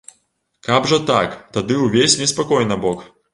Каб жа так, тады ўвесь неспакой набок.